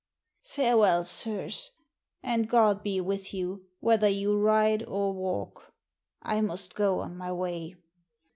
Farewell, sirs, and God be with you whether you ride or walk. I must go on my way."